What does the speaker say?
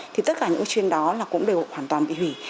thì tất cả những chuyến đó cũng đều hoàn toàn bị hủy